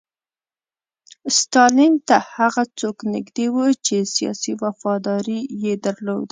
ستالین ته هغه څوک نږدې وو چې سیاسي وفاداري یې درلوده